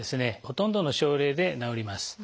ほとんどの症例で治ります。